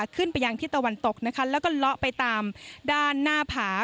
ขึ้นไปยังที่ตะวันตกนะคะแล้วก็เลาะไปตามด้านหน้าผา